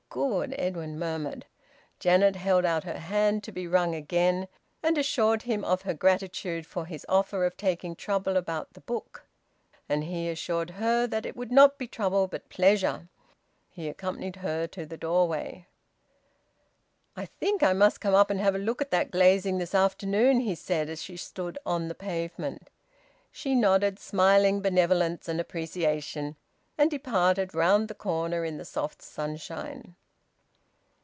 Good!" Edwin murmured. Janet held out her hand, to be wrung again, and assured him of her gratitude for his offer of taking trouble about the book; and he assured her that it would not be trouble but pleasure. He accompanied her to the doorway. "I think I must come up and have a look at that glazing this afternoon," he said, as she stood on the pavement. She nodded, smiling benevolence and appreciation, and departed round the corner in the soft sunshine.